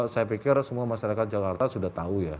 saya pikir semua masyarakat jakarta sudah tahu ya